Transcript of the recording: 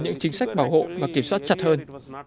những chính sách bảo hộ và kiểm soát chặt hơn